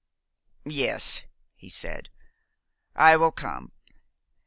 "Yes," he said, "I will come.